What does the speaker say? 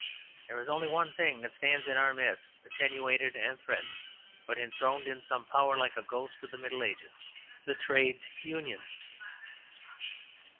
There is only one thing that stands in our midst, attenuated and threatened, but enthroned in some power like a ghost of the Middle Ages: the Trades Unions.